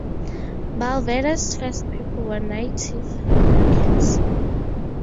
Bulverde's first people were Native Americans.